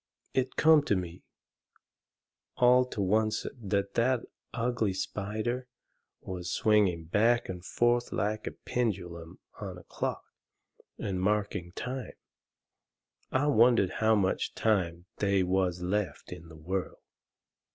It come to me all to oncet that that ugly spider was swinging back and forth like the pendulum on a clock, and marking time. I wondered how much time they was left in the world.